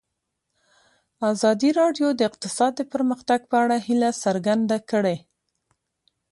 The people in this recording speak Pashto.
ازادي راډیو د اقتصاد د پرمختګ په اړه هیله څرګنده کړې.